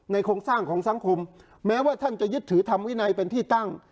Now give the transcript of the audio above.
โครงสร้างของสังคมแม้ว่าท่านจะยึดถือทำวินัยเป็นที่ตั้ง